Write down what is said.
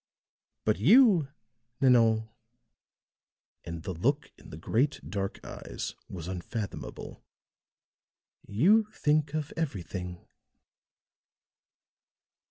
But you, Nanon," and the look in the great, dark eyes was unfathomable, "you think of everything."